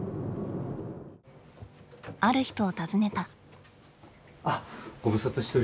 ある人を訪ねた。